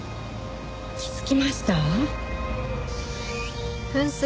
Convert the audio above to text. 気づきました？